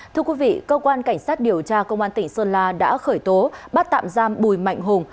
thưa quý vị cơ quan cảnh sát điều tra công an tỉnh sơn la đã khởi tố bắt tạm giam bùi mạnh hùng